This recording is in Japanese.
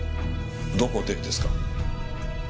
どこでですか？